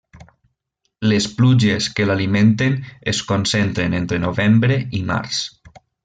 Les pluges que l'alimenten es concentren entre novembre i març.